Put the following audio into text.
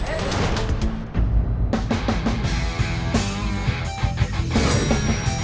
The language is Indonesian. eh itu kan sepatu gue